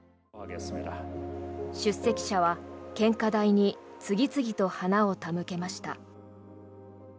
出席者は献花台に次々と花を手向けました。